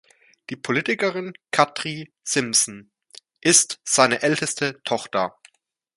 Die Politikerin Kadri Simson ist seine älteste Tochter.